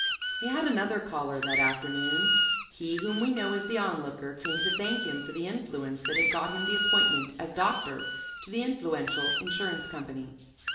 He had another caller that afternoon; he whom we know as the Onlooker came to thank him for the influence that had got him the appointment as doctor to the Influential Insurance Company.